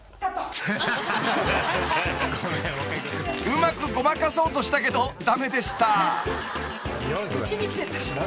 ［うまくごまかそうとしたけど駄目でした］